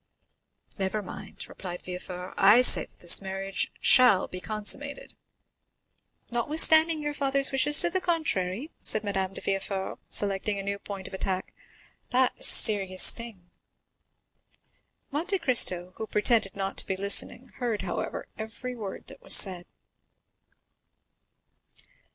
"Never mind," replied Villefort; "I say that this marriage shall be consummated." "Notwithstanding your father's wishes to the contrary?" said Madame de Villefort, selecting a new point of attack. "That is a serious thing." Monte Cristo, who pretended not to be listening, heard however, every word that was said.